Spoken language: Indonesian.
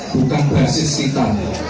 bukan basis kita